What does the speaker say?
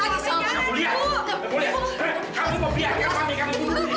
dia musti memanjakanmu